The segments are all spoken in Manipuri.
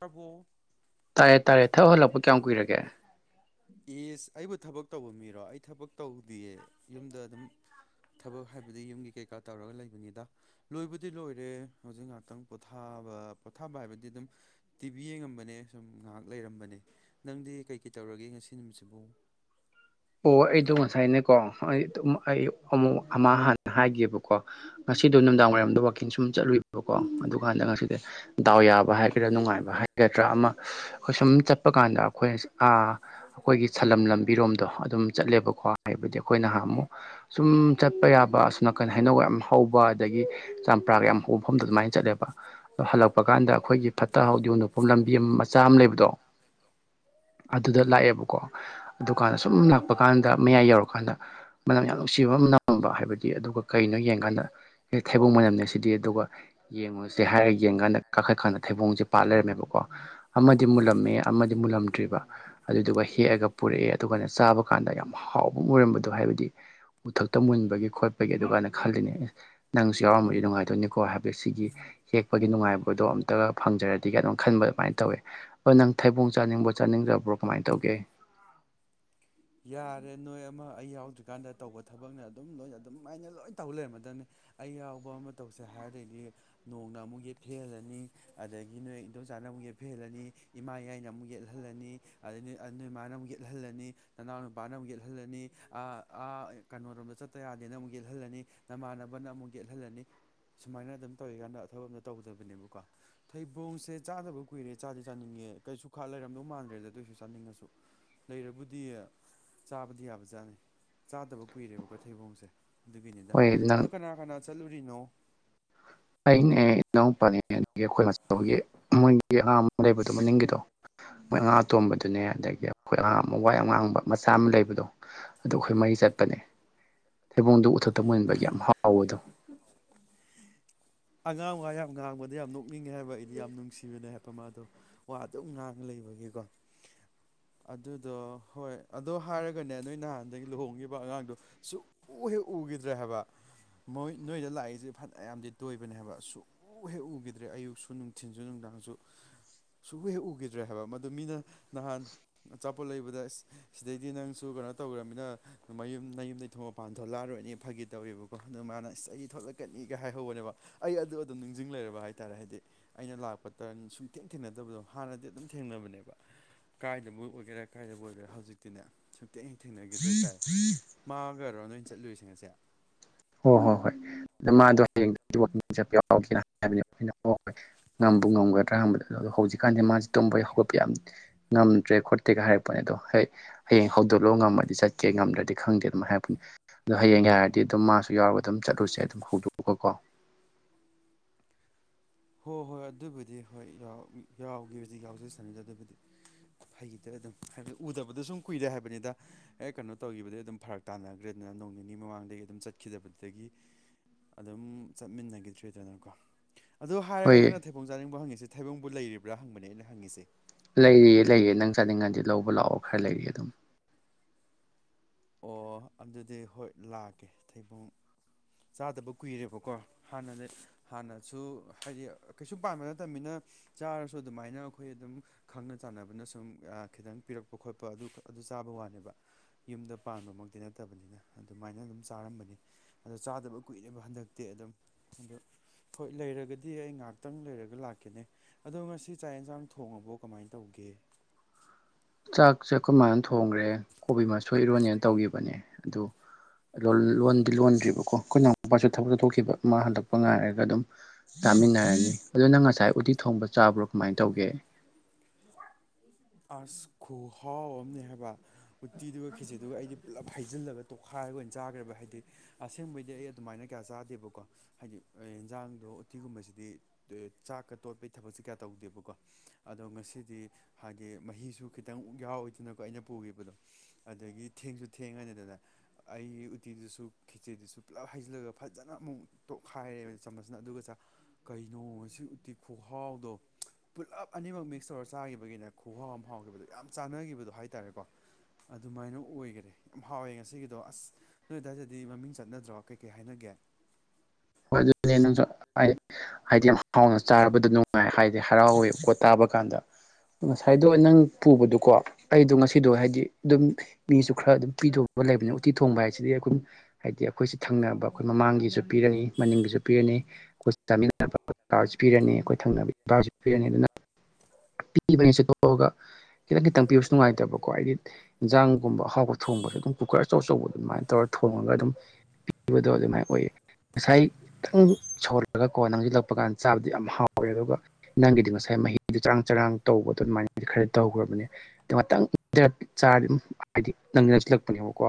ꯇꯕꯣ ꯇꯥꯏꯌ‌ꯦ ꯇꯌ‌ꯦ ꯊꯕꯛ ꯍꯂꯛꯄ ꯀꯌꯥꯝ ꯀꯨꯏꯔꯒꯦ ꯏꯁ ꯑꯩꯕꯨ ꯊꯕꯛ ꯇꯧꯕ ꯃꯤꯔꯣ ꯑꯩ ꯊꯕꯛ ꯇꯧꯗꯤꯌꯦ ꯌꯨꯝꯗ ꯑꯗꯨꯝ ꯊꯕꯛ ꯍꯥꯏꯕꯗꯤ ꯌꯨꯝꯒꯤ ꯀꯩꯀꯥ ꯇꯧꯔꯒ ꯂꯩꯕꯅꯤꯗ ꯂꯣꯏꯕꯨꯗꯤ ꯂꯣꯏꯔꯦ ꯍꯨꯖꯤꯛ ꯉꯍꯥꯛꯇꯪ ꯄꯣꯊꯥꯕ ꯄꯣꯊꯥꯕ ꯍꯥꯏꯕ ꯗꯤ ꯗꯨꯝ ꯇꯤꯚꯤ ꯌꯦꯉꯝꯕꯅꯦ ꯁꯨꯝ ꯉꯍꯥꯛ ꯂꯩꯔꯝꯕꯅꯦ ꯅꯪꯗꯤ ꯀꯩ ꯀꯩ ꯇꯧꯔꯒꯦ ꯉꯁꯤ ꯅꯨꯃꯤꯠꯁꯤꯕ‌ꯣ ꯑꯣ ꯑꯩꯗꯣ ꯉꯁꯥꯏꯅꯦꯀꯣ ꯑꯩ ꯗꯨꯝ ꯑꯩ ꯑꯃꯨꯛ ꯑꯃꯥ ꯍꯥꯟꯅ ꯍꯥꯏꯒꯦꯕꯀꯣ ꯉꯁꯤꯗꯣ ꯅꯨꯟꯗꯥꯡ ꯋꯥꯏꯔꯝꯗ ꯋꯥꯛꯀꯤꯡ ꯁꯨꯝ ꯆꯠꯂꯨꯏꯕꯀꯣ ꯑꯗꯨꯀꯥꯟꯗ ꯉꯁꯤꯗꯤ ꯗꯥꯎ ꯌꯥꯕ [unintelligible] ꯅꯨꯡꯉꯥꯏꯕ ꯍꯥꯏꯒꯗ꯭ꯔꯥ ꯑꯃ ꯑꯈꯣꯏ ꯁꯨꯝ ꯆꯠꯄ ꯀꯥꯟꯗ ꯑꯈꯣꯏ ꯑꯥ ꯑꯩꯈꯣꯏꯒꯤ ꯁꯂꯝ ꯂꯝꯕꯤꯔꯣꯝꯗꯣ ꯑꯗꯨꯝ ꯆꯠꯂꯦꯕꯀꯣ ꯍꯥꯏꯕꯗꯤ ꯑꯈꯣꯏ ꯅꯍꯥꯟ ꯃꯨꯛ ꯁꯨꯝ ꯆꯠꯄ ꯌꯥꯕ ꯑꯁꯣ ꯅꯥꯀꯟ ꯍꯩꯅꯧ ꯌꯥꯝ ꯍꯧꯕ ꯑꯗꯒꯤ ꯆꯝꯄ꯭ꯔꯥꯒ ꯌꯥꯝ ꯍꯧꯐꯝꯗꯣ ꯑꯗꯨꯃꯥꯏꯟ ꯆꯠꯂꯦꯕ ꯍꯜꯂꯛ ꯄꯀꯥꯟꯗ ꯑꯈꯣꯏꯒꯤ ꯐꯠꯇ ꯍꯥꯎꯗꯤ ꯍꯨꯟꯗꯣꯝꯐꯝ ꯂꯝꯕꯤ ꯑꯃ ꯃꯆꯥ ꯑꯃ ꯂꯩꯕꯗꯣ ꯆꯥꯝ ꯂꯩꯕꯗꯣ ꯑꯗꯨꯗ ꯂꯥꯛꯑꯦꯕ ꯂꯥꯛꯑꯦꯕ ꯀꯥꯟꯗ ꯁꯨꯝ ꯂꯥꯛꯄ ꯀꯥꯟꯗ ꯃꯌꯥꯏ ꯌꯧꯔꯀꯥꯟꯗ ꯃꯅꯝ ꯌꯥꯝ ꯅꯨꯡꯁꯤꯕ ꯑꯃ ꯅꯝꯕ ꯍꯥꯏꯕꯗꯤ ꯑꯗꯨꯒ ꯀꯩꯅꯣ ꯌꯦꯡꯀꯥꯟꯗ ꯊꯩꯕꯣꯡ ꯃꯅꯝꯅꯦ ꯁꯤꯗꯤ ꯑꯗꯨꯒ ꯌꯦꯡꯉꯨꯁꯦ ꯍꯥꯏꯔꯒ ꯌꯦꯡꯀꯥꯟꯗ ꯀꯥꯈꯠꯀꯥꯟꯗ ꯊꯩꯕꯣꯡꯖꯦ ꯄꯥꯜ ꯂꯩꯔꯝꯃꯦꯕꯀꯣ ꯑꯃꯗꯤ ꯃꯨꯜꯂꯝꯃꯦ ꯑꯃꯗꯤ ꯃꯨꯜꯂꯝꯗ꯭ꯔꯤꯕ ꯑꯗꯨꯗꯨꯒ ꯍꯦꯛꯑꯒ ꯄꯨꯔꯛꯑꯦ ꯑꯗꯨꯒꯅꯦ ꯆꯥꯕ ꯀꯥꯟꯗ ꯌꯥꯝ ꯍꯥꯎꯕ ꯑꯣꯏꯔꯝꯕꯗꯣ ꯍꯥꯏꯕꯗꯤ ꯎꯊꯛꯇ ꯃꯨꯟꯕꯒꯤ ꯈꯣꯠꯄꯒꯤ ꯑꯗꯨꯒꯥꯟꯗ ꯈꯜꯂꯤꯅꯦ ꯑꯦ ꯅꯪꯁꯨ ꯌꯥꯎꯔꯝꯃꯗꯤ ꯅꯨꯡꯉꯥꯏꯗꯣꯏꯅꯤꯀꯣ ꯍꯥꯏꯕ ꯁꯤꯒꯤ ꯍꯦꯛꯄꯒꯤ ꯅꯨꯡꯉꯥꯏꯕꯗꯣ ꯑꯝꯇꯒ ꯐꯪꯖꯔꯗꯤꯒ ꯑꯗꯨꯝ ꯈꯟꯕ ꯑꯗꯨꯃꯥꯏꯅ ꯇꯧꯋꯤ ꯍꯣꯏ ꯅꯪ ꯊꯩꯕꯣꯡ ꯆꯥꯅꯤꯡꯕꯣ ꯆꯥꯅꯤꯡꯗꯕ꯭ꯔꯣ ꯀꯃꯥꯏꯟ ꯇꯧꯒꯦ ꯌꯥꯔꯦ ꯅꯣꯏ ꯑꯃ ꯑꯩ ꯌꯥꯎꯗ꯭ꯔꯤꯀꯥꯟꯗ ꯇꯧꯕ ꯊꯕꯛꯅ ꯑꯗꯨꯝ ꯅꯣꯏ ꯑꯗꯨꯝꯃꯥꯏꯅ ꯂꯣꯏ ꯇꯧ ꯂꯩꯔꯝꯃꯗꯝꯅꯤ ꯑꯩ ꯌꯥꯎꯕ ꯑꯃ ꯇꯧꯁꯦ ꯍꯥꯏꯔꯗꯩꯩꯗꯤ ꯅꯣꯡꯅ ꯑꯃꯨꯛ ꯌꯦꯠꯊꯦꯍꯜꯂꯅꯤ ꯑꯗꯒꯤ ꯅꯣꯏ ꯏꯟꯗꯣꯝꯆꯥꯅ ꯑꯃꯨꯛ ꯌꯦꯐꯦꯍꯜꯂꯅꯤ ꯏꯃꯥꯌꯥꯏꯅ ꯑꯃꯨꯛ ꯌꯦꯠꯍꯜꯂꯅꯤ ꯑꯗꯩ ꯅꯣꯏ ꯃꯥꯅ ꯑꯃꯨꯛ ꯌꯦ ꯍꯜꯂꯅꯤ ꯅꯅꯥꯎ ꯅꯨꯄꯥꯅ ꯑꯃꯨꯛ ꯌꯦꯠꯍꯜꯂꯅꯤ ꯑ ꯑꯥ ꯀꯩꯅꯣꯔꯣꯝꯗ ꯆꯠꯇ ꯌꯥꯗꯦꯅ ꯑꯃꯨꯛ ꯌꯦꯠꯍꯜꯂꯅꯤ ꯅꯃꯥꯟꯅꯕꯅ ꯑꯃꯨꯛ ꯌꯦꯠꯍꯜꯂꯅꯤ ꯁꯨꯃꯥꯏꯅ ꯑꯗꯨꯝ ꯇꯧꯔꯤꯀꯥꯟꯗ ꯊꯕꯛ ꯑꯝꯇ ꯇꯧꯗꯕꯅꯦꯕꯀꯣ ꯊꯩꯕꯣꯡꯁꯦ ꯆꯥꯗꯕ ꯀꯨꯏꯔꯦ ꯆꯥꯗꯤ ꯆꯥꯅꯤꯡꯉꯦ ꯀꯩꯁꯨ ꯈꯥ ꯂꯩꯔꯝꯗꯧ ꯃꯥꯟꯗ꯭ꯔꯦꯗ ꯑꯗꯣꯏꯁꯨ ꯆꯥꯅꯤꯡꯉꯁꯨ ꯂꯩꯔꯕꯨꯗꯤ ꯆꯥꯕꯗꯤ ꯌꯥꯕꯖꯥꯠꯅꯤ ꯆꯥꯗꯕ ꯀꯨꯏꯔꯦꯕꯀꯣ ꯊꯩꯕꯣꯡꯁꯦ ꯑꯗꯨꯒꯤꯅꯤꯗ ꯍꯣꯏ ꯅꯪ ꯑꯗꯣ ꯀꯅꯥ ꯀꯅꯥ ꯆꯠꯂꯨꯔꯤꯅꯣ [inaudible] ꯃꯈꯣꯏ ꯑꯉꯥ ꯑꯇꯣꯝꯕꯗꯨꯅꯦ ꯑꯗꯒꯤ ꯑꯩꯈꯣꯏ ꯑꯉꯥꯡ ꯋꯥ ꯌꯥꯝ ꯉꯥꯡꯕ ꯃꯆꯥ ꯑꯃ ꯂꯩꯕꯗꯣ ꯑꯗꯨ ꯑꯈꯣꯏ ꯃꯔꯤ ꯆꯠꯄꯅꯦ ꯊꯩꯕꯣꯡꯗ ꯎꯊꯛꯇ ꯃꯟꯕꯒꯤ ꯌꯥꯝ ꯍꯥꯎꯕꯗꯣ ꯑꯉꯥꯡ ꯋꯥ ꯌꯥꯝ ꯉꯥꯡꯕꯗ ꯌꯥꯝ ꯅꯣꯛꯅꯤꯡꯉꯦ ꯍꯥꯏꯕ ꯑꯩꯗꯤ ꯌꯥꯝ ꯅꯨꯡꯁꯤꯕꯅꯦ ꯍꯥꯏ ꯇꯣ ꯃꯗꯣ ꯋꯥ ꯑꯗꯨꯝ ꯉꯥꯡꯉ ꯂꯩꯕꯒꯤꯀꯣ ꯑꯗꯨꯗꯣ ꯍꯣꯏ ꯑꯗꯣ ꯍꯥꯏꯔꯒꯅꯦ ꯅꯣꯏ ꯅꯍꯥꯟꯗꯒꯤ ꯂꯨꯍꯣꯡꯒꯤꯕ ꯑꯉꯥꯡꯗꯣ ꯁꯨ ꯎ ꯍꯦꯛ ꯎꯒꯤꯗ꯭ꯔꯦ ꯍꯥꯏꯕ ꯃꯣꯏ ꯅꯣꯏꯗ ꯂꯥꯛꯏꯖꯦ ꯐꯅꯌꯥꯝꯗꯤ ꯇꯣꯏꯕꯅꯦ ꯍꯥꯏꯕ ꯁꯨꯛ ꯎꯍꯦꯛ ꯎꯒꯤꯗ꯭ꯔꯦ ꯑꯌꯨꯛꯁꯨ ꯅꯨꯡꯊꯤꯟꯖꯨ ꯅꯨꯡꯗꯥꯡꯖꯨ ꯁꯨ ꯎ ꯍꯦꯛ ꯎꯒꯤꯗ꯭ꯔꯦ ꯍꯥꯏꯕ ꯃꯗꯨ ꯃꯤꯅ ꯅꯍꯥꯟ ꯑꯆꯥꯄꯣꯠ ꯂꯩꯕꯗ ꯁꯤꯗꯩꯗꯤ ꯅꯪꯁꯨ ꯀꯩꯅꯣ ꯇꯧꯒ꯭ꯔꯃꯤꯅ ꯃꯌꯨꯝꯗꯩꯩ ꯊꯣꯡ ꯃꯄꯥꯟ ꯊꯣꯛꯂꯛꯑꯔꯣꯏ ꯅꯦ ꯐꯥꯒꯤ ꯇꯧꯔꯦꯕꯀꯣ ꯑꯗꯨ ꯃꯥꯅ ꯑꯁ ꯑꯩ ꯊꯣꯛꯂꯛꯀꯅꯤꯒ ꯍꯥꯏꯍꯧꯕꯅꯦꯕ ꯑꯩ ꯑꯗꯨ ꯑꯗꯨꯝ ꯅꯤꯡꯖꯤꯡ ꯂꯩꯔꯕ ꯍꯥꯏꯇꯥꯔꯦ ꯍꯥꯏꯗꯤ ꯑꯩꯅ ꯂꯥꯛꯄ ꯇꯔꯟ ꯁꯨꯡꯊꯦꯡ ꯊꯦꯡꯅꯗꯕꯗꯣ ꯍꯥꯟꯅꯗꯤ ꯑꯗꯨꯝ ꯊꯦꯡꯅꯕꯅꯦꯕ ꯀꯥꯏꯗꯕꯨ ꯑꯣꯏꯒꯦꯔ ꯀꯥꯏꯗꯕꯨ ꯑꯣꯏꯒꯦꯔ ꯍꯧꯖꯤꯛꯇꯤꯅꯦ ꯁꯨꯡꯊꯦꯡ ꯍꯦꯛ ꯊꯦꯡꯅꯒꯤꯗ꯭ꯔꯦ ꯇꯥꯏ ꯃꯥꯥꯒꯔꯣ ꯅꯣꯏ ꯆꯠꯂꯨꯏꯔꯤꯁꯦ ꯉꯁꯤ ꯍꯣ ꯍꯣ ꯍꯣꯏ [inaudible] ꯉꯝꯕꯨ ꯉꯝꯒꯗ꯭ꯔꯥ ꯍꯪꯕꯗ ꯍꯧꯖꯤꯛꯀꯥꯟꯖꯦ ꯃꯥꯖꯦ ꯇꯨꯝꯕ ꯍꯧꯒꯠꯄ ꯌꯥꯝ ꯉꯝꯗ꯭ꯔꯦ ꯈꯣꯠꯇꯦꯒ ꯍꯥꯏꯔꯛꯄꯅꯦ ꯑꯗꯣ ꯍꯣꯏ ꯍꯥꯌꯦꯡ ꯍꯧꯗꯣꯛꯂꯛꯑꯣ ꯉꯝꯃꯗꯤ ꯆꯠꯀꯦ ꯉꯝꯗ꯭ꯔꯗꯤ ꯈꯪꯗꯦ ꯑꯗꯨꯝ ꯍꯥꯏꯔꯛꯄꯅꯤ꯫ ꯑꯗꯣ ꯍꯌꯦꯡ ꯍꯥꯏꯔꯗꯤ ꯑꯗꯨꯝ ꯃꯥꯁꯨ ꯌꯥꯎꯔꯒ ꯑꯗꯨꯝ ꯆꯠꯂꯨꯁꯦꯗꯣ꯫ [unintelligible] ꯍꯣꯏ ꯍꯣꯏ ꯑꯗꯨꯕꯨꯗꯤ ꯍꯣꯏ ꯌꯥꯎꯔꯗꯤ ꯌꯥꯎꯖꯁꯥꯅꯨꯗ ꯑꯗꯨꯕꯨꯗꯤ꯫ ꯐꯩꯗ ꯑꯗꯨꯝ ꯍꯥꯏꯕꯗꯤ ꯎꯗꯕꯗ ꯁꯨꯝ ꯀꯨꯏꯔꯦ ꯍꯥꯏꯕꯅꯤꯗ꯫ ꯍꯦꯛ ꯀꯩꯅꯣ ꯇꯧꯈꯤꯕꯗꯒꯤ ꯑꯗꯨꯝ ꯐꯔꯛ ꯇꯥꯟꯅꯈ꯭ꯔꯦꯅ ꯑꯗꯨꯅ ꯅꯣꯡ ꯅꯤꯅꯤ ꯃꯃꯥꯡꯗꯒꯤ ꯑꯗꯨꯝ ꯆꯠꯈꯤꯗꯕꯗꯒꯤ ꯑꯗꯨꯝ ꯆꯠꯃꯤꯟꯅꯈꯤꯗ꯭ꯔꯦ ꯗꯅꯀꯣ꯫ ꯑꯗꯨ ꯍꯥꯏꯔꯒ ꯍꯣꯏ ꯅꯪꯅ ꯊꯩꯕꯣꯡ ꯆꯥꯅꯤꯡꯕ꯭ꯔꯣ ꯍꯪꯉꯤꯁꯦ ꯊꯩꯕꯣꯡꯕꯨ ꯂꯩꯔꯤꯕ꯭ꯔꯥ ꯍꯪꯕꯅꯦ ꯑꯩꯅ ꯍꯪꯉꯤꯁꯦ꯫ ꯂꯩꯔꯤꯌꯦ ꯂꯩꯌꯦ ꯅꯪ ꯆꯥꯅꯤꯡꯉꯗꯤ ꯂꯧꯕ ꯂꯥꯛꯑꯣ ꯈꯔ ꯂꯩꯔꯤꯌꯦ ꯑꯗꯨꯝ꯫ ꯑꯣ ꯑꯗꯨꯗꯤ ꯍꯣꯏ ꯂꯥꯛꯀꯦ ꯊꯩꯕꯣꯡ ꯆꯥꯗꯕ ꯀꯨꯏꯔꯦꯕꯀꯣ꯫ ꯍꯥꯟꯅꯗꯤ ꯍꯥꯟꯅꯁꯨ ꯍꯥꯏꯗꯤ ꯀꯩꯁꯨ ꯄꯥꯟꯕꯝꯕ ꯅꯠꯇꯝꯃꯤꯅ ꯆꯥꯔꯁꯨ ꯑꯗꯨꯃꯥꯏꯅ ꯑꯩꯈꯣꯏ ꯑꯗꯨꯝ, ꯈꯪꯅ ꯆꯥꯟꯅꯕꯅ ꯁꯨꯝ ꯈꯤꯇꯪ ꯄꯤꯔꯛꯄ ꯈꯣꯠꯄ ꯑꯗꯨ ꯑꯗꯨ ꯆꯥꯕ ꯋꯥꯅꯦꯕ ꯌꯨꯝꯗ ꯄꯥꯟꯕꯃꯛꯇꯤ ꯅꯠꯇꯕꯅꯤꯅ ꯑꯗꯨꯃꯥꯏꯅ ꯑꯗꯨꯝ ꯆꯥꯔꯝꯕꯅꯤ꯫ ꯑꯗꯣ ꯆꯥꯗꯕ ꯀꯨꯏꯕ ꯍꯟꯗꯛꯇꯤ ꯑꯗꯨꯝ ꯑꯗꯣ ꯍꯣꯏ ꯂꯩꯔꯒꯗꯤ ꯑꯩ ꯉꯥꯏꯍꯥꯛꯇꯪ ꯂꯩꯔꯒ ꯂꯥꯛꯀꯦꯅꯦ꯫ ꯑꯗꯣ ꯉꯁꯤ ꯆꯥꯛ ꯌꯦꯟꯁꯥꯡ ꯊꯣꯡꯉꯕꯣ ꯀꯃꯥꯏꯅ ꯇꯧꯒꯦ? ꯆꯥꯛꯁꯦ ꯑꯩꯈꯣꯏ ꯃꯥꯅ ꯊꯣꯡꯈ꯭ꯔꯦ ꯀꯣꯕꯤ ꯃꯁꯣꯏ ꯏꯔꯣꯟꯅꯤ ꯇꯧꯈꯤꯕꯅꯦ ꯑꯗꯨ ꯂꯣꯟꯗꯤ ꯂꯣꯟꯗ꯭ꯔꯤꯕꯀꯣ ꯑꯩꯈꯣꯏ ꯅꯅꯥꯎ ꯃꯄꯥꯁꯨ ꯊꯕꯛ ꯆꯠꯊꯣꯛꯈꯤꯕ ꯃꯥ ꯍꯟꯂꯛꯄ ꯉꯥꯏꯔꯒ ꯑꯗꯨꯝ ꯆꯥꯃꯤꯟꯅꯔꯅꯤ ꯑꯗꯨ ꯅꯪ ꯉꯁꯥꯏ ꯎꯇꯤ ꯊꯣꯡꯕ ꯆꯥꯕ꯭ꯔꯣ ꯀꯃꯥꯏꯅ ꯇꯧꯒꯦ? ꯑꯁ ꯈꯨꯍꯥꯎ ꯑꯝꯅꯦ ꯍꯥꯏꯕ꯫ ꯎꯠꯇꯤꯗꯨꯒ ꯈꯦꯠꯆꯤꯗꯨꯒ ꯑꯩꯗꯤ ꯄꯨꯂꯞ ꯍꯩꯖꯤꯜꯂꯒ ꯇꯣꯈꯥꯏꯔꯒ ꯑꯣꯏꯅ ꯆꯥꯈ꯭ꯔꯦꯕ ꯍꯥꯏꯗꯤ ꯑꯁꯦꯡꯕꯩꯗꯤ ꯑꯩ ꯑꯗꯨꯃꯥꯏꯅ ꯀꯌꯥ ꯆꯥꯗꯦꯕꯀꯣ ꯍꯥꯏꯗꯤ, ꯌꯦꯟꯖꯥꯡꯗꯣ ꯎꯠꯇꯤꯒꯨꯝꯕꯁꯤꯗꯤ ꯆꯥꯛꯀ ꯇꯣꯠꯄꯒꯤ ꯊꯕꯛꯁꯦ ꯀꯌꯥ ꯇꯧꯗꯦꯕꯀꯣ ꯑꯗꯣ ꯉꯁꯤꯗꯤ ꯍꯥꯏꯗꯤ ꯃꯍꯤꯁꯨ ꯈꯤꯇꯪ ꯌꯥꯎꯋꯏꯗꯅꯀꯣ ꯑꯩꯅ ꯄꯨꯈꯤꯕꯗꯣ꯫ ꯑꯗꯨꯗꯒꯤ ꯊꯦꯡꯁꯨ ꯊꯦꯡꯉꯅꯤꯗꯅ꯫ ꯑꯩ ꯎꯇꯤꯗꯨꯁꯨ ꯈꯦꯠꯆꯤꯗꯨꯁꯨ ꯄꯨꯂꯞ ꯍꯩꯖꯤꯜꯂꯒ ꯐꯖꯅ ꯑꯃꯨꯛ ꯇꯣꯛꯈꯥꯏꯔꯦ ꯆꯥꯃꯁꯅ ꯑꯗꯨꯒ ꯆꯥ ꯀꯩꯅꯣ ꯁꯤ ꯎꯇꯤ ꯈꯨꯍꯥꯎꯗꯣ ꯄꯨꯜꯂꯞ ꯑꯅꯤꯃꯛ ꯃꯤꯛꯁ ꯇꯧꯔ ꯆꯥꯈꯤꯕꯒꯤꯅꯦ ꯈꯨꯍꯥꯎ ꯑꯃ ꯐꯥꯎꯈꯤꯕꯗꯣ ꯌꯥꯝ ꯆꯥꯟꯅꯈꯤꯕꯗꯣ ꯍꯥꯏꯇꯥꯔꯦꯀꯣ꯫ ꯑꯗꯨꯃꯥꯏꯅ ꯑꯣꯏꯈꯔꯦ ꯌꯥꯝ ꯍꯥꯎꯋꯦ ꯉꯁꯤꯒꯤꯗꯣ ꯑꯁ꯫ ꯅꯣꯏ ꯑꯗꯨ꯭ꯋꯥꯏꯗꯗꯤ ꯃꯃꯤꯡ ꯆꯠꯅꯗ꯭ꯔꯣ ꯀꯩ ꯀꯩ ꯍꯥꯏꯅꯒꯦ? ꯍꯣꯏ ꯑꯗꯨꯅꯦ ꯅꯪꯁꯨ ꯍꯣꯏ, ꯍꯥꯏꯗꯤ ꯌꯥꯝ ꯍꯥꯎꯅ ꯆꯥꯔꯕꯗ ꯅꯨꯡꯉꯥꯏ ꯍꯥꯏꯗꯤ ꯍꯔꯥꯎꯋꯦ ꯄꯣꯠ ꯇꯥꯕ ꯀꯥꯟꯗ꯫ ꯉꯁꯥꯏꯗꯣ ꯅꯪ ꯄꯨꯕꯗꯣꯀꯣ ꯑꯩꯗꯣ ꯉꯁꯤꯗꯣ ꯍꯥꯏꯗꯤ ꯑꯗꯨꯝ ꯃꯤꯁꯨ ꯈꯔ ꯑꯗꯨꯝ ꯄꯤꯊꯣꯡꯕ ꯂꯩꯕꯅꯤ ꯎꯇꯤ ꯊꯣꯡꯕ ꯍꯥꯏꯁꯤꯗꯤ ꯑꯩꯈꯣꯏ ꯍꯥꯏꯗꯤ ꯑꯩꯈꯣꯏꯁꯤ ꯊꯪꯅꯕ ꯑꯩꯈꯣꯏ ꯃꯃꯥꯡꯒꯤꯁꯨ ꯄꯤꯔꯅꯤ꯫ ꯃꯅꯤꯡꯒꯤꯁꯨ ꯄꯤꯔꯅꯤ ꯑꯩꯈꯣꯏ ꯆꯥꯃꯤꯟꯅꯅꯕ ꯄꯤꯔꯅꯤ ꯑꯩꯈꯣꯏ ꯊꯪꯅꯅꯕꯁꯨ ꯄꯤꯔꯅꯤ ꯑꯗꯨꯅ-' ꯄꯤꯕꯅꯦ ꯆꯠꯇꯣꯛꯑꯒ ꯈꯤꯇꯪ ꯈꯤꯇꯪ ꯄꯤꯕꯁꯨ ꯅꯨꯡꯉꯥꯏꯇꯕꯀꯣ ꯍꯥꯏꯗꯤ-' ꯏꯟꯖꯥꯡꯒꯨꯝꯕ ꯑꯍꯥꯎꯕ ꯊꯣꯡꯕꯁꯦ ꯑꯗꯨꯝ ꯀꯨꯀꯔ ꯑꯆꯧ ꯑꯆꯧꯕ ꯑꯗꯨꯃꯥꯏꯅ ꯇꯧꯔ ꯊꯣꯡꯉꯒ ꯑꯗꯨꯝ ꯄꯤꯕꯗꯣ ꯑꯗꯨꯃꯥꯏꯅ ꯑꯣꯏꯌꯦ꯫ ꯉꯁꯥꯏ ꯈꯤꯇꯪ ꯁꯧꯍꯜꯂꯒꯀꯣ ꯅꯪꯁꯤꯜꯂꯛꯄ ꯀꯥꯟꯗ ꯆꯥꯕꯗꯤ ꯌꯥꯝ ꯍꯥꯎꯋꯦ ꯑꯗꯨꯒ ꯅꯪꯒꯤꯗꯤ ꯉꯁꯥꯏ ꯃꯍꯤꯗꯣ ꯆꯔꯥꯡ ꯆꯔꯥꯡ ꯇꯧꯕꯗꯣ ꯑꯗꯨꯃꯥꯏꯅꯗꯤ ꯈꯔ ꯇꯧꯈ꯭ꯔꯕꯅꯦ꯫ ꯉꯥꯛꯇꯪ ꯂꯩꯔ ꯆꯥꯔꯗꯤ ꯑꯗꯨꯝ ꯍꯥꯏꯗꯤ ꯅꯪꯗꯤ ꯅꯛꯁꯤꯜꯂꯛꯄꯅꯦꯕꯀꯣ꯫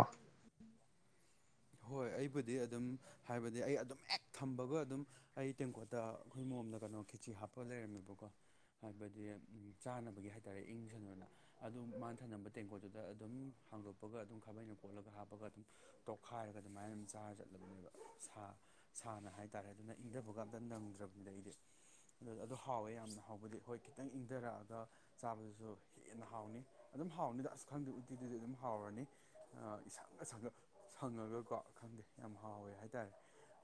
ꯍꯣꯏ ꯑꯩꯕꯨꯗꯤ ꯑꯗꯨꯝ ꯍꯥꯏꯕꯗꯤ ꯑꯩ ꯑꯗꯨꯝ ꯍꯦꯛ ꯊꯝꯕꯒ ꯑꯗꯨꯝ ꯑꯩ ꯇꯦꯡꯀꯣꯠꯇ ꯑꯈꯣꯏ ꯃꯣꯝꯅ ꯀꯩꯅꯣ ꯈꯦꯠꯆꯤ ꯍꯥꯞꯄ ꯂꯩꯔꯝꯃꯦꯕꯀꯣ ꯍꯥꯏꯕꯗꯤ ꯎꯝ ꯆꯥꯅꯕꯒꯤ ꯍꯥꯏꯇꯥꯔꯦ ꯏꯪ ꯖꯟꯅꯣꯅ ꯑꯗꯨ ꯃꯥꯟ ꯊꯝꯅꯝꯕ ꯇꯦꯡꯀꯣꯠꯇꯨꯗ ꯑꯗꯨꯝ ꯍꯥꯡꯗꯣꯛꯄꯒ ꯑꯗꯨꯝ ꯈꯥꯕꯩꯅ ꯀꯣꯠꯂꯒ ꯍꯥꯞꯄꯒ ꯑꯗꯨꯝ ꯇꯣꯛ ꯈꯥꯏꯔꯒ ꯑꯗꯨꯃꯥꯏꯅ ꯗꯨꯝ ꯆꯥꯔ ꯆꯠꯂꯕꯅꯦꯕ ꯁꯥ ꯁꯥꯅ ꯍꯥꯏꯇꯥꯔꯦ ꯑꯗꯨꯅ ꯏꯪꯗꯕꯒ ꯑꯝꯇ ꯅꯪꯗ꯭ꯔꯕꯅꯤꯗ ꯑꯩꯗꯤ ꯑꯗꯨ ꯑꯗꯨ ꯍꯥꯎꯋꯦ ꯌꯥꯝꯅ ꯍꯥꯎꯕꯗꯤ ꯍꯣꯏ ꯈꯤꯇꯪ ꯏꯪꯗꯔꯛꯑꯒ ꯆꯥꯕꯗꯨꯖꯨ ꯍꯦꯟꯅ ꯍꯥꯎꯅꯤ ꯑꯗꯨꯝ ꯍꯥꯎꯅꯤꯗ ꯑꯁ ꯈꯪꯗꯦ ꯎꯠꯇꯤꯗꯗꯤ ꯑꯗꯨꯝ ꯍꯥꯎꯔꯅꯤ ꯑ ꯏꯁꯪꯒ ꯁꯪꯒ ꯁꯪꯉꯒꯀꯣ ꯈꯪꯗꯦ ꯌꯥꯝ ꯍꯥꯎꯋꯦ ꯍꯥꯏꯇꯥꯏ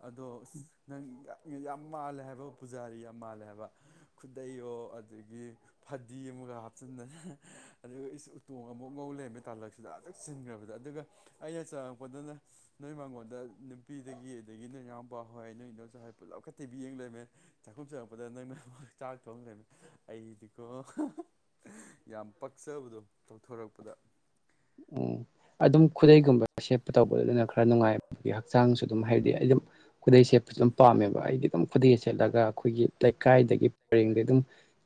ꯑꯗꯣ ꯑꯁ ꯅꯪ ꯌꯥ-ꯌꯥꯝ ꯃꯥꯜꯂꯦ ꯍꯥꯏꯕ ꯄꯨꯖꯥꯔꯤ ꯌꯥꯝ ꯃꯥꯜꯂꯦ ꯍꯥꯏꯕ ꯈꯨꯗꯩꯌꯣ ꯑꯗꯒꯤ ꯐꯗꯤ ꯑꯃꯒ ꯍꯥꯞꯆꯤꯟꯗꯅ ꯑꯗꯨꯒ ꯏꯁ ꯎꯇꯣꯡ ꯑꯃꯨꯛ ꯉꯧ ꯂꯩꯔꯝꯃꯦ ꯇꯥꯜꯂꯛꯁꯤ ꯗ ꯑꯗꯨꯛ ꯆꯤꯟꯒ꯭ꯔꯕꯗ ꯑꯗꯨꯒ ꯑꯩꯅ ꯆꯪꯉꯛꯄꯗꯅ ꯅꯣꯏ ꯃꯥꯡꯉꯣꯟꯗ ꯅꯨꯄꯤꯗꯒꯤ ꯑꯗꯒꯤ ꯅꯣꯏ ꯏꯅꯥꯎꯄꯥꯍꯣꯏ ꯅꯣꯏ ꯏꯗꯣꯟꯆꯥꯍꯣꯏ ꯄꯨꯜꯂꯞꯀ ꯇꯤ ꯕꯤ ꯌꯦꯡ ꯂꯩꯔꯝꯃꯦ ꯆꯥꯛꯈꯨꯝ ꯆꯪꯉꯛꯄꯗ ꯅꯣꯏ [unintelligible] ꯆꯥꯛ ꯊꯣꯡ ꯂꯩꯔꯝꯃꯦ ꯑꯩꯗꯤꯀꯣ ꯌꯥꯝ ꯄꯛꯆꯕꯗꯣ ꯇꯧꯊꯣꯔꯛꯄꯗ ꯎꯝ ꯑꯗꯨꯝ ꯈꯨꯗꯩꯒꯨꯝꯕ ꯁꯦꯠꯄ ꯇꯧꯕꯗꯨ ꯑꯗꯨꯅ ꯈꯔ ꯅꯨꯡꯉꯥꯏ-ꯕꯤ ꯍꯛꯆꯥꯡꯁꯨ ꯑꯗꯨꯝ ꯍꯥꯏꯗꯤ ꯑꯩ ꯗꯨꯝ ꯈꯨꯗꯩ ꯁꯦꯠꯄꯖꯨ ꯗꯨꯝ ꯄꯥꯝꯃꯦ ꯕ ꯑꯩꯗꯤ ꯑꯗꯨꯝ ꯈꯨꯗꯩꯒ ꯁꯦꯠꯂꯒ ꯑꯈꯣꯏꯒꯤ ꯇꯩꯀꯥꯏꯗꯒꯤ ꯄ꯭ꯔꯦꯡꯗꯩ ꯑꯗꯨꯝ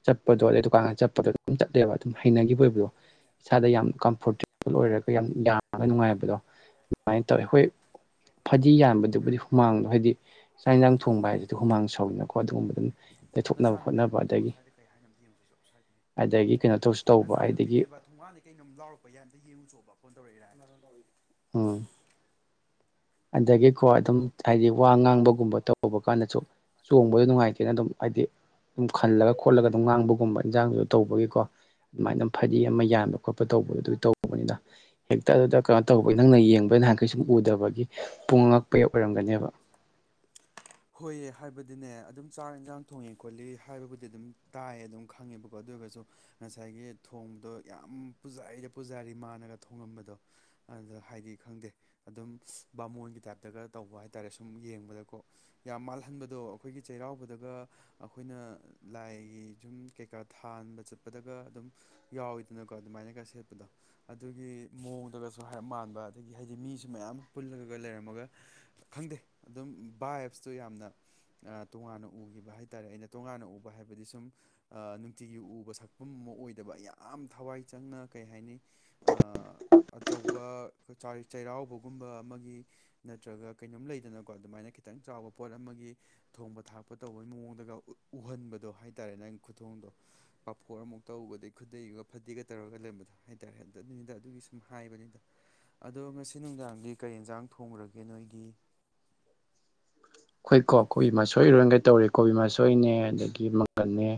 ꯆꯠꯄꯗꯣ ꯑꯗꯨꯗꯩ ꯗꯨꯀꯥꯟꯒ ꯆꯞ ꯄꯗꯣ ꯑꯗꯨꯝ ꯆꯠꯂꯦꯕ ꯑꯗꯨꯝ ꯍꯩꯅꯒꯤꯕ ꯑꯣꯏꯕꯗꯣ ꯁꯥꯗ ꯌꯥꯝ ꯀꯝꯐꯣꯔꯇꯦꯕꯜ ꯑꯣꯏꯔ ꯈꯣꯏ ꯌꯥꯝ ꯌꯥꯡꯉꯒ ꯅꯨꯡꯉꯥꯏꯕꯗꯣ ꯗꯨꯃꯥꯏꯟ ꯇꯧꯋꯦ ꯍꯣꯏ ꯐꯗꯤ ꯌꯥꯟꯕꯗꯨꯕꯨꯗꯤ ꯍꯨꯃꯥꯡꯗꯣ ꯍꯥꯏꯗꯤ ꯆꯥꯛ ꯌꯦꯟꯖꯥꯡ ꯊꯣꯡꯕ ꯍꯥꯏꯖꯤꯗꯤ ꯍꯨꯃꯥꯡ ꯁꯧꯏꯅꯀꯣ ꯑꯗꯨꯒꯨꯝꯕ ꯗꯨꯝ ꯅꯆꯥꯅꯨꯄꯤꯅꯦ ꯑꯝꯗ ꯊꯣꯛꯑꯣ ꯁ꯭ꯋꯥꯏꯗ ꯀꯩ ꯍꯥꯏꯅꯣ ꯑꯝꯇ ꯌꯦꯡꯉꯨꯆꯣꯆꯣ ꯑꯗꯒꯤ ꯀꯩꯅꯣ ꯁ꯭ꯋꯥꯏꯗꯒꯤ ꯇꯧꯁꯨ ꯇꯧꯕ ꯑꯗꯒꯤ ꯅꯆꯥꯅꯨꯄꯤꯅꯦꯕ ꯊꯨꯡꯒꯥꯟꯗꯩ ꯀꯩꯅꯣꯝ ꯂꯥꯎꯔꯛꯄ ꯌꯥꯏ ꯑꯝꯇ ꯌꯦꯡꯉꯨꯆꯣꯕ ꯐꯣꯟ ꯇꯧꯔꯛꯏ [inaudible] ꯎꯝ ꯑꯗꯒꯤꯀꯣ ꯍꯣ ꯑꯗꯨꯝ ꯍꯥꯏꯗꯤ ꯋꯥ ꯉꯥꯡꯕꯒꯨꯝꯕ ꯋꯥ ꯇꯧ ꯕ ꯉꯥꯡꯕꯒꯨꯝꯕ ꯀꯥꯟꯗꯆꯨ ꯇꯧꯕ ꯀꯥꯟꯗꯁꯨ ꯆꯣꯡꯕꯗ ꯅꯨꯡꯉꯥꯏꯇꯦꯅ ꯑꯗꯨꯝ ꯍꯥꯏꯗꯤ ꯎꯝ ꯈꯜꯂꯒ ꯈꯣꯠꯂꯒ ꯑꯗꯨꯝ ꯉꯥꯡꯕꯒꯨꯝꯕ ꯏꯟꯖꯥꯡꯗꯨꯖꯨ ꯇꯧꯕꯒꯤꯀꯣ ꯑꯗꯨꯃꯥꯏꯟ ꯑꯗꯨꯝ ꯐꯗꯤ ꯑꯃ ꯌꯥꯟꯕ ꯈꯣꯠꯄ ꯇꯧꯕꯗꯣ ꯑꯗꯨ ꯇꯧꯕꯅꯤꯗ ꯍꯦꯛꯇ ꯑꯗꯨꯗ ꯀꯩꯅꯣ ꯇꯧꯕꯩ ꯅꯪꯅ ꯌꯦꯡꯕ ꯅꯍꯥꯟ ꯀꯩꯁꯨꯝ ꯎꯗꯕꯒꯤ ꯄꯨꯡꯉꯛ ꯉꯛꯄꯩ ꯑꯣꯏꯔꯝꯒꯅꯦꯕ [inaudible] ꯍꯣꯏꯌꯦ ꯍꯥꯏꯕꯗꯤꯅꯦ ꯑꯗꯨꯝ ꯆꯥꯛ ꯏꯟꯁꯥꯡ ꯊꯣꯡꯉꯦ ꯈꯣꯠꯂꯤ ꯍꯥꯏꯕꯕꯨꯗꯤ ꯑꯗꯨꯝ ꯇꯥꯏꯌꯦ ꯑꯗꯨꯝ ꯈꯪꯉꯦꯕꯀꯣ ꯑꯗꯨꯒꯖꯨ ꯉꯁꯥꯏꯒꯤ ꯊꯣꯡꯕꯗꯣ ꯌꯥꯝ ꯄꯨꯖꯥꯔꯤꯗ ꯄꯨꯖꯥꯔꯤ ꯃꯥꯥꯟꯅꯒ ꯊꯣꯉꯝꯕꯗꯣ ꯑꯗ ꯍꯥꯏꯗꯤ ꯈꯪꯗꯦ ꯑꯗꯨꯝ ꯕꯥꯃꯣꯟꯒꯤ ꯇꯥꯏꯞꯇꯒ ꯇꯧꯕ ꯍꯥꯏꯇꯥꯔꯦ ꯁꯨꯝ ꯌꯦꯡꯕꯗꯀꯣ ꯌꯥꯝ ꯃꯥꯜꯍꯟꯕꯗꯣ ꯑꯈꯣꯏꯒꯤ ꯆꯩꯔꯥꯎꯕꯗꯒ ꯑꯈꯣꯏꯅ ꯂꯥꯏꯒꯤ ꯖꯨꯝ ꯀꯩꯀꯥ ꯊꯥꯟꯕ ꯆꯠꯄꯗꯒ ꯑꯗꯨꯝ ꯌꯥꯎꯋꯤꯗꯅꯀꯣ ꯑꯗꯨꯃꯥꯏꯅꯒ ꯁꯦꯠꯄꯗꯣ ꯑꯗꯨꯒꯤ ꯃꯑꯣꯡꯗꯒ ꯖꯨ ꯍꯥꯏꯔꯞ ꯃꯥꯟꯕ ꯑꯗꯒꯤ ꯍꯩꯗꯤ ꯃꯤꯖꯨ ꯃꯌꯥꯝ ꯄꯨꯜꯂꯒꯒ ꯂꯩꯔꯝꯃꯒ ꯈꯪꯗꯦ ꯑꯗꯨꯝ ꯕꯥꯏꯞꯁꯇꯨ ꯌꯥꯝꯅ ꯑ ꯇꯣꯉꯥꯟꯅ ꯎꯒꯤꯕ ꯍꯥꯏꯇꯔꯦ ꯑꯩꯅ ꯇꯣꯉꯥꯟꯅ ꯎꯕ ꯍꯥꯏꯕꯗꯤ ꯁꯨꯝ ꯑ ꯅꯨꯡꯇꯤꯒꯤ ꯎꯕ ꯁꯛꯄꯝ ꯑꯃ ꯑꯣꯏꯗꯕ ꯌꯥꯝ ꯊꯋꯥꯏ ꯆꯪꯅ ꯀꯩ ꯍꯥꯏꯅꯤ ꯑ ꯑꯆꯧꯕ ꯀ ꯆꯥꯏ ꯆꯩꯔꯥꯎꯕꯒꯨꯝꯕ ꯑꯃꯒꯤ ꯅꯠꯇ꯭ꯔꯒ ꯀꯩꯅꯣꯝ ꯂꯩꯗꯅꯀꯣ ꯑꯗꯨꯃꯥꯏꯅ ꯈꯤꯇꯪ ꯆꯥꯎꯕ ꯄꯣꯠ ꯑꯃꯒꯤ ꯊꯣꯡꯕ ꯊꯥꯛꯄ ꯇꯧꯕꯩ ꯃꯑꯣꯡꯗꯒ ꯎ ꯎꯍꯟꯕꯗꯣ ꯍꯥꯏꯇꯔꯦ ꯅꯪ ꯈꯨꯊꯣꯡꯗꯣ ꯄꯥꯐꯣꯔ ꯑꯃꯨꯛ ꯇꯧ ꯑꯗꯩ ꯈꯨꯗꯩꯒ ꯐꯗꯤꯒ ꯇꯧꯔꯒ ꯂꯩꯔꯝꯕꯗꯣ ꯍꯥꯏꯇꯥꯔꯦ ꯑꯗꯨꯅꯤꯗ ꯑꯗꯨꯒꯤ ꯁꯨꯝ ꯍꯥ ꯍꯥꯏꯕꯅꯤꯗ ꯑꯗꯣ ꯉꯁꯤ ꯅꯨꯡꯗꯥꯡꯗꯤ ꯀꯔꯤ ꯑꯦꯟꯖꯥꯡ ꯊꯣꯡꯉꯨꯔꯒꯦ ꯅꯣꯏꯒꯤ ꯈꯣꯏꯀꯣ ꯀꯣꯕꯤ ꯃꯁꯣꯏ ꯏꯔꯣꯟꯒꯦ ꯇꯧꯔꯤ ꯀꯣꯕꯤ ꯃꯁꯣꯏꯅꯦ ꯑꯗꯒꯤ ꯃꯪꯒꯟꯅꯦ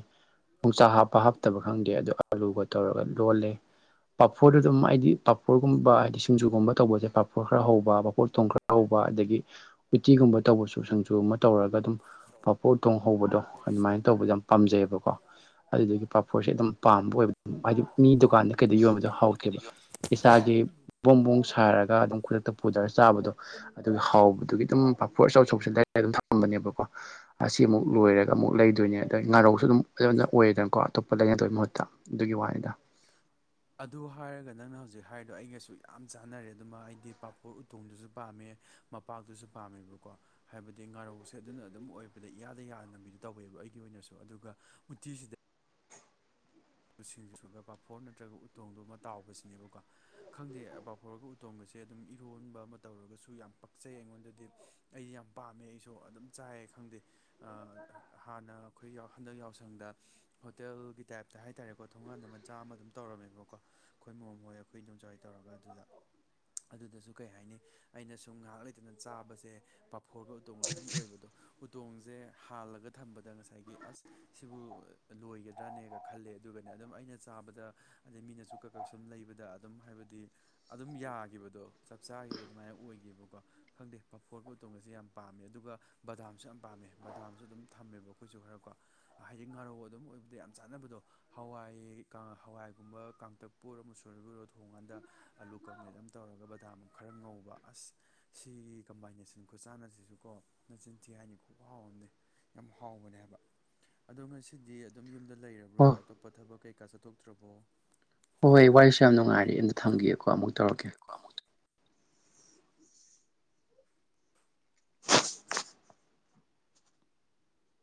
ꯌꯣꯡꯆꯥ ꯍꯥꯞꯄ ꯍꯥꯞꯇꯕ ꯈꯪꯗꯦ ꯑꯗꯨ ꯑꯥꯂꯨꯒ ꯇꯧꯔꯒ ꯂꯣꯜꯂꯦ ꯄꯥꯐꯣꯔꯗꯨꯗꯨꯝ ꯑꯩꯗꯤ ꯄꯥꯐꯣꯔꯒꯨꯝꯕ ꯍꯥꯏꯗꯤ ꯁꯤꯡꯖꯨꯒꯨꯝꯕ ꯇꯧꯕꯖꯦ ꯄꯥꯐꯣꯔ ꯈꯔ ꯍꯧꯕ ꯄꯥꯐꯣꯔ ꯎꯇꯣꯡ ꯈꯔ ꯍꯧꯕ ꯑꯗꯒꯤ ꯎꯇꯤꯒꯨꯝꯕ ꯇꯧꯕꯁꯨ ꯁꯤꯡꯖꯨ ꯑꯃ ꯇꯧꯔꯒ ꯑꯗꯨꯝ ꯄꯐꯣꯔ ꯎꯇꯣꯡ ꯍꯧꯕꯗꯣ ꯑꯗꯨꯃꯥꯏ ꯇꯧꯕꯖꯦ ꯌꯥꯝ ꯄꯥꯝꯖꯩꯑꯕꯀꯣ ꯑꯗꯨꯗꯨꯒꯤ ꯄꯥꯐꯣꯔꯁꯦ ꯑꯗꯨꯝ ꯄꯥꯝꯕ ꯑꯣꯏꯕ ꯍꯥꯏꯗꯤ ꯃꯤ ꯗꯨꯀꯥꯟꯗ ꯀꯩꯗ ꯌꯣꯟꯕꯗꯣ ꯍꯥꯎꯇꯦꯕ ꯏꯁꯥꯒꯤ ꯕꯣꯝ ꯕꯣꯡ ꯁꯥꯔꯒ ꯑꯗꯨꯝ ꯈꯨꯗꯛꯇ ꯄꯨꯗꯔ ꯆꯥꯕꯗꯣ ꯑꯗꯨꯒꯤ ꯍꯥꯎꯕꯗꯨꯒꯤ ꯗꯨꯝ ꯄꯥꯐꯣꯔ ꯑꯆꯧ ꯆꯧꯕꯁꯦ ꯂꯩꯔ ꯑꯗꯨꯝ ꯊꯝꯕꯅꯦꯕꯀꯣ ꯑꯁꯤ ꯑꯃꯨꯛ ꯂꯣꯏꯔꯒ ꯑꯃꯨꯛ ꯂꯩꯗꯣꯏꯅꯦ ꯑꯗꯩ ꯉꯥꯔꯧꯁꯨ ꯑꯗꯨꯝ ꯑꯩꯉꯣꯟꯗ ꯑꯣꯏꯔꯦꯗꯅꯀꯣ ꯑꯇꯣꯞꯄ ꯂꯩꯅꯗꯣꯏ ꯃꯍꯨꯠꯇ ꯑꯗꯨꯒꯤ ꯋꯥꯅꯤꯗ ꯑꯗꯨ ꯍꯥꯏꯔꯒ ꯅꯪꯅ ꯍꯧꯖꯤꯛ ꯍꯥꯏꯔꯤꯗꯣ ꯑꯩꯒꯁꯨ ꯌꯥꯝ ꯆꯥꯟꯅꯔꯦ ꯗꯨꯃ ꯑꯩꯗꯤ ꯄꯥꯐꯣꯔ ꯎꯇꯣꯡꯗꯨꯁꯨ ꯄꯥꯝꯃꯦ ꯃꯄꯥꯛꯇꯨꯁꯨ ꯄꯥꯝꯃꯦꯕꯀꯣ ꯍꯥꯏꯕꯗꯤ ꯉꯥꯔꯧꯁꯦ ꯑꯗꯨꯅ ꯑꯗꯨꯝ ꯑꯣꯏꯕꯗ ꯏꯌꯥꯗ ꯌꯥꯟꯅꯃꯤꯗꯨ ꯇꯧꯋꯦꯕ ꯑꯩꯒꯤ ꯑꯣꯏꯅꯁꯨ ꯑꯗꯨꯒ ꯎꯇꯤꯁꯤꯗ ꯎꯁꯤꯡꯖꯨ ꯁꯨꯅ ꯄꯥꯐꯣꯔ ꯅꯠꯇ꯭ꯔꯒ ꯎꯇꯣꯡꯗꯣꯃ ꯇꯥꯎꯕꯁꯤꯅꯦꯕꯀꯣ ꯈꯪꯗꯦ ꯄꯥꯐꯣꯔꯒ ꯎꯇꯣꯡꯒꯁꯦ ꯑꯗꯨꯝ ꯏꯔꯣꯟꯕ ꯑꯃ ꯇꯧꯔꯒꯁꯨ ꯌꯥꯝ ꯄꯛꯆꯩ ꯑꯩꯉꯣꯟꯗꯗꯤ ꯑꯩ ꯌꯥꯝ ꯄꯥꯝꯃꯦ ꯑꯩꯁꯨ ꯑꯗꯨꯝ ꯆꯥꯏꯌꯦ ꯈꯪꯗꯦ ꯑꯥ ꯍꯥꯟꯅ ꯑꯈꯣꯏ ꯌꯥꯎ ꯍꯟꯗꯛ ꯌꯥꯎꯁꯪꯗ ꯍꯣꯇꯦꯜꯒꯤ ꯇꯥꯏꯞ ꯇ ꯍꯥꯏꯇꯥꯔꯦꯀꯣ ꯊꯣꯡꯒꯥꯟꯗ ꯃꯆꯥ ꯑꯃ ꯑꯗꯨꯝ ꯇꯧꯔꯝꯃꯦꯕꯀꯣ ꯈꯣꯏ ꯃꯣꯝ ꯍꯣꯏ ꯑꯩꯈꯣꯏ ꯏꯗꯣꯝꯆꯥ ꯍꯣꯏ ꯇꯧꯔꯒ ꯑꯗꯨꯗ ꯑꯗꯨꯗꯁꯨ ꯀꯩ ꯍꯥꯏꯅꯤ ꯑꯩꯅ ꯁꯨꯝ ꯉꯥꯍꯥꯛ ꯂꯩꯇꯅ ꯆꯥꯕꯁꯦ ꯄꯥꯐꯣꯔꯒ ꯎꯇꯣꯡꯒ ꯑꯗꯨꯝ ꯑꯣꯏꯕꯗꯣ ꯎꯇꯣꯡꯖꯦ ꯍꯥꯜꯂꯒ ꯊꯝꯕꯗ ꯉꯁꯥꯏꯒꯤ ꯑꯁ ꯁꯤꯕꯨ ꯂꯣꯏꯒꯗ꯭ꯔꯥꯅꯦꯒ ꯈꯜꯂꯦ ꯑꯗꯨꯒꯅꯦ ꯑꯗꯨꯝ ꯑꯩꯅ ꯆꯥꯕꯗ ꯑꯗꯩ ꯃꯤꯅꯁꯨ ꯀꯛ ꯀꯛ ꯁꯨꯝ ꯂꯩꯕꯗ ꯑꯗꯨꯝ ꯍꯥꯏꯕꯗꯤ ꯑꯗꯨꯝ ꯌꯥꯒꯤꯕꯗꯣ ꯆꯞ ꯆꯥꯒꯤꯕꯗꯣ ꯑꯗꯨꯃꯥꯏ ꯑꯣꯏꯒꯤꯕꯀꯣ ꯈꯪꯗꯦ ꯄꯐꯣꯔꯒ ꯎꯇꯣꯡꯒꯁꯦ ꯌꯥꯝ ꯄꯥꯝꯃꯦ ꯑꯗꯨꯒ ꯕꯗꯥꯝꯁꯨ ꯌꯥꯝ ꯄꯥꯝꯃꯦ ꯕꯗꯥꯝꯖꯨ ꯑꯗꯨꯝ ꯊꯝꯃꯦꯕ ꯑꯈꯣꯏꯖꯨ ꯈꯔꯀꯣ ꯍꯥꯏꯗꯤ ꯉꯥꯔꯧ ꯑꯗꯨꯝ ꯑꯣꯏꯕꯗ ꯌꯥꯝ ꯆꯥꯟꯅꯕꯗꯣ ꯍꯋꯥꯏ ꯀꯥ ꯍꯋꯥꯏꯒꯨꯝꯕ ꯀꯥꯡꯇꯛꯄꯨ ꯑꯣꯏꯔꯣ ꯃꯨꯁꯣꯔꯤꯕꯨ ꯑꯣꯏꯔꯣ ꯊꯣꯡꯒꯥꯟꯗ ꯑꯂꯨ ꯀꯪꯃꯦꯠ ꯑꯝ ꯇꯧꯔꯒ ꯕꯗꯥꯝ ꯈꯔ ꯉꯧꯕ ꯑꯁ ꯁꯤꯒꯤ ꯀꯝꯕꯥꯏꯅꯦꯁꯟ ꯈꯨꯠꯆꯥꯟꯅꯁꯤꯁꯨꯀꯣ ꯅꯆꯤꯟꯊꯤ ꯍꯥꯏꯅꯤ ꯈꯨꯍꯥꯎꯑꯝꯅꯦ ꯌꯥꯝ ꯍꯥꯎꯕꯅꯦ ꯍꯥꯏꯕ ꯑꯗꯨ ꯉꯁꯤꯗꯤ ꯑꯗꯨꯝ ꯌꯨꯝꯗ ꯂꯩꯔꯕ ꯍꯣ ꯕ꯭ꯔꯣ ꯑꯇꯣꯞꯄ ꯊꯕꯛ ꯀꯩꯀꯥ ꯆꯠꯊꯣꯛꯇ꯭ꯔꯕꯣ ꯍꯣ ꯍꯣꯏ ꯋꯥꯔꯤꯁꯨ ꯌꯥꯝ ꯅꯨꯉꯥꯏꯔꯤ ꯑꯝꯇ ꯊꯝꯒꯤꯒꯦꯀꯣ ꯑꯃꯨꯛ ꯇꯧꯔꯛꯀꯦ